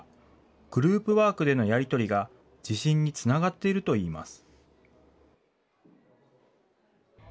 グループワークでのやり取りが、自信につながっているといいます。